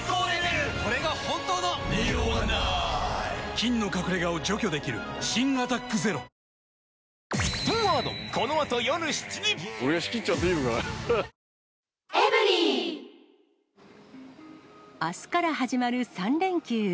菌の隠れ家を除去できる新「アタックＺＥＲＯ」あすから始まる３連休。